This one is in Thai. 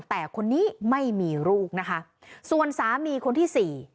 แต่คนนี้ไม่มีลูกนะคะส่วนสามีคนที่สี่